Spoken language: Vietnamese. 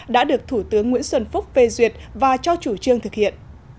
đã được thủ tướng nguyễn xuân phúc phê duyệt và cho chủ trương thực hiện